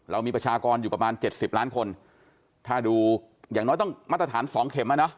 เรามีประชากรอยู่ประมาณเจ็ดสิบล้านคนถ้าดูอย่างน้อยต้องมาตรฐานสองเข็มอ่ะเนอะ